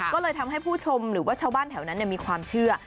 ก็เลยทำให้ผู้ชมหรือว่าชาวบ้านแถวนั้นมีความเชื่อ